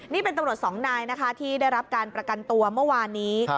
นี่เป็นตำรวจสองนายนะคะที่ได้รับการประกันตัวเมื่อวานนี้